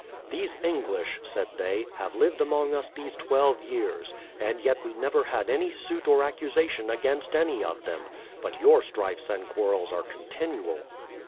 "These English," said they, "have lived among us these twelve years, and yet we never had any suit or accusation against any of them ; but your strifes and quarrels are con tinual."